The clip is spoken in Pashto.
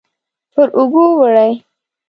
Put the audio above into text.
پر اوږو وړي